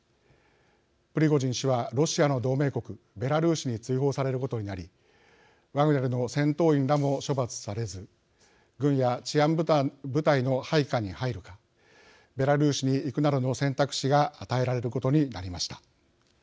プリゴジン氏はロシアの同盟国ベラルーシに追放されることになりワグネルの戦闘員らも処罰されず軍や治安部隊の配下に入るかベラルーシに行くなどの選択肢が与えられることになりました。